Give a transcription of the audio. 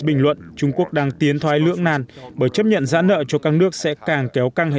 bình luận trung quốc đang tiến thoái lưỡng nàn bởi chấp nhận giãn nợ cho các nước sẽ càng kéo căng hệ